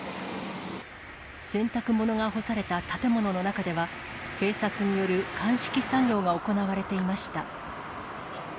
洗濯物が干された建物の中では、警察による鑑識作業が行われていました。